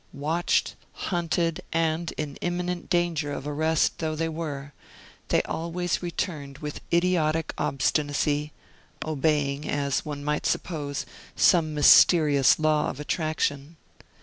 Watched, hunted, and in imminent danger of arrest though they were, they always returned with idiotic obstinacy, obeying, as one might suppose, some mysterious law of attraction.